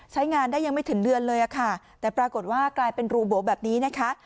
ใช้งานได้ยังไม่ถึงเดือนเลยค่ะแต่ปรากฏว่ากลายเป็นรูโบแบบนี้นะคะ